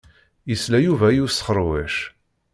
Yesla Yuba i usxeṛwec.